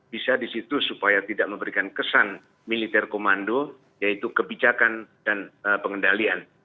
bisa di situ supaya tidak memberikan kesan militer komando yaitu kebijakan dan pengendalian